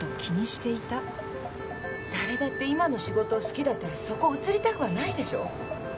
誰だって今の仕事を好きだったらそこを移りたくはないでしょう？